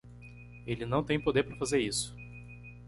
Ele não tem poder para fazer isso